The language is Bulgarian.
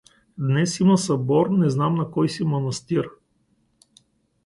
Днес има събор, не знам на кой си манастир.